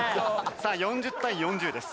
さあ４０対４０です。